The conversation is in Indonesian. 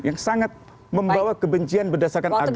yang sangat membawa kebencian berdasarkan agama